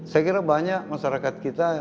saya kira banyak masyarakat kita